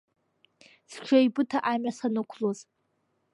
Сҽеибыҭа амҩа санықәлоз…